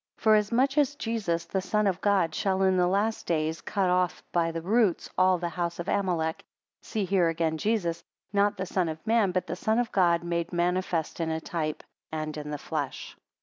Forasmuch as Jesus the Son of God shall in the last days cut off by the roots all the house of Amalek, see here again Jesus, not the son of man, but the Son of God, made manifest in a type, and in the flesh.